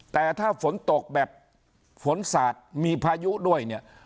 แต่ถ้าฝนตกแบบฝนสาดมีพายุด้วยเนี่ย